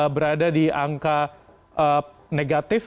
berada di angka negatif